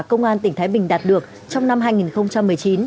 công an tỉnh thái bình đạt được trong năm hai nghìn một mươi chín